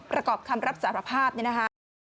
ประกอบคำรับสารภาพเนี่ยนะคะ